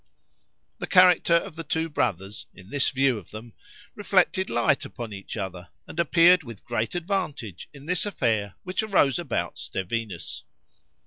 The characters of the two brothers, in this view of them, reflected light upon each other, and appeared with great advantage in this affair which arose about _Stevinus.